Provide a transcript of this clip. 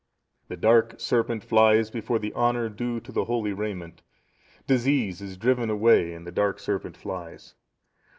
"The dark serpent(673) flies before the honour due to the holy raiment; disease is driven away, and the dark serpent flies.